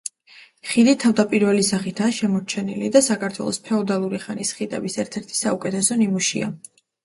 ხიდი თავდაპირველი სახითაა შემორჩენილი და საქართველოს ფეოდალური ხანის ხიდების ერთ-ერთი საუკეთესო ნიმუშია.